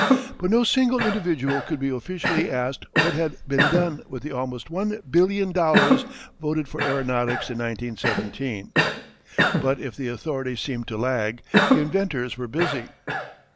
But no single individual could be officially asked what had been done with the almost one billion dollars voted for aeronautics in 1917. But if the authorities seemed to lag, the inventors were busy.